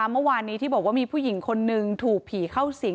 เมื่อวานนี้ที่บอกว่ามีผู้หญิงคนนึงถูกผีเข้าสิง